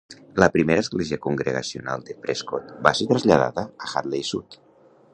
La primera església congregacional de Prescott va ser traslladada a Hadley Sud.